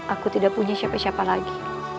aku tidak punya siapa siapa lagi